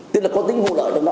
tức là có tính vụ lợi trong đó